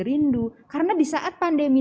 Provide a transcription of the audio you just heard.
rindu karena di saat pandemi